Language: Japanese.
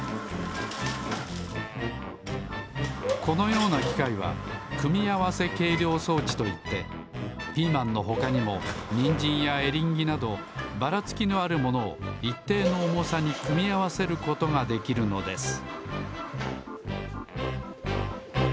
このようなきかいは組み合わせ計量装置といってピーマンのほかにもニンジンやエリンギなどばらつきのあるものをいっていのおもさに組み合わせることができるのです